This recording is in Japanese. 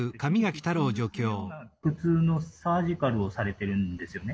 普通のサージカルをされてるんですよね？